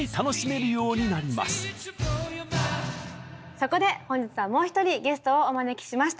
そこで本日はもう１人ゲストをお招きしました。